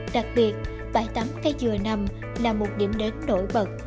đặc biệt bãi tắm cây dừa nằm là một điểm đến nổi bật